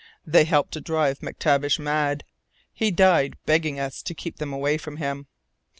They helped to drive MacTavish mad. He died begging us to keep them away from him.